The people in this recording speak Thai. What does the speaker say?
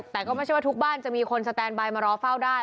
แต่ก็ไม่ใช่ว่าทุกบ้านจะมีคนสแตนบายมารอเฝ้าได้